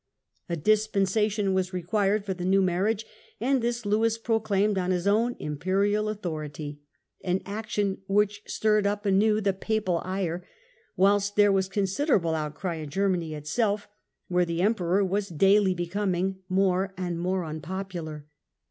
A dispensa 20 • THE EXD OF THE MIDDLE AGE tion was required for the new marriage, and this Lewis proclaimed on his own Imperial authority, an action which stirred up anew the Papal ire, whilst there was considerable outcry in Germany itself, where the Em peror was daily becoming more and more unpopular.